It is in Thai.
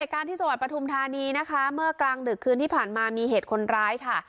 การที่จังหวัดปฐุมธานีนะคะเมื่อกลางดึกคืนที่ผ่านมามีเหตุคนร้ายค่ะ